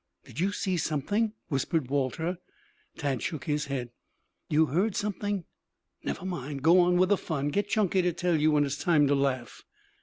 "Did you see something?" whispered Walter. Tad shook his head. "You heard something?" "Never mind. Go on with the fun. Get Chunky to tell you when it is time to laugh."